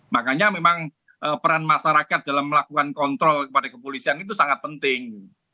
makanya memang peran masyarakat dalam melakukan kontrol kepada kepolisian itu sangat penting